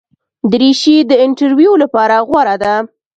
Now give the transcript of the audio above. دریشي د انټرویو لپاره غوره ده.